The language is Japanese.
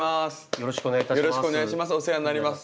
よろしくお願いします